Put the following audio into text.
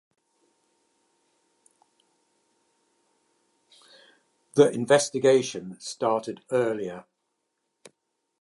The investigation started earlier.